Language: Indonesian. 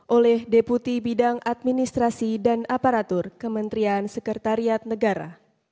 oleh deputi bidang administrasi dan aparatur kementerian sekretariat negara